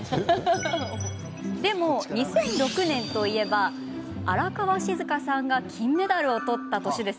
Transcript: でも２００６年といえば荒川静香さんが金メダルを取った年。